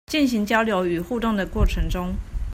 進行交流與互動的過程中